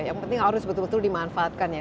jadi ini harus dimanfaatkan ya